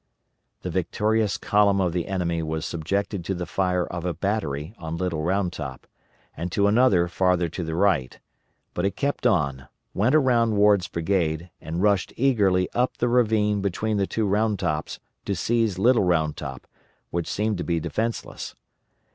The victorious column of the enemy was subjected to the fire of a battery on Little Round Top, and to another farther to the right; but it kept on, went around Ward's brigade and rushed eagerly up the ravine between the two Round Tops to seize Little Round Top which seemed to be defenceless.